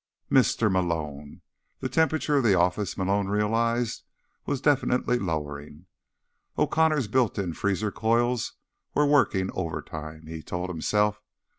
"Mr. Malone." The temperature of the office, Malone realized, was definitely lowering. O'Connor's built in freezer coils were working overtime, he told himself.